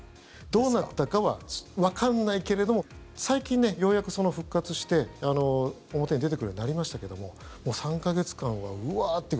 どうなったかはわかんないけれども最近ようやく復活して、表に出てくるようになりましたけども３か月間は、うわーって。